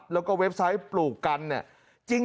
แล้วก็เว็บไซต์ปลูกกันเนี่ย